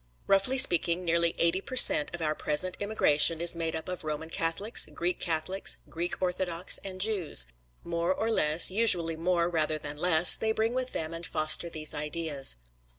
Roughly speaking, nearly eighty per cent. of our present immigration is made up of Roman Catholics, Greek Catholics, Greek Orthodox and Jews. More or less, usually more rather than less, they bring with them and foster these ideas.